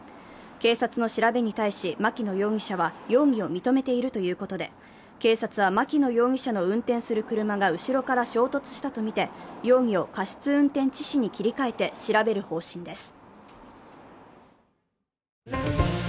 警察の調べに対し牧野容疑者は容疑を認めているということで警察は牧野容疑者の運転する車が後ろから衝突したとみて容疑を過失運転致死に切り替えて調べる方針です。